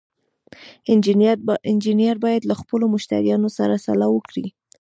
انجینر باید له خپلو مشتریانو سره سلا وکړي.